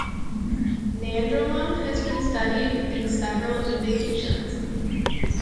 Nandrolone has been studied in several indications.